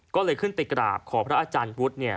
ก็เลยขึ้นเตรียดกราบขอพระอาจารย์วุฒิ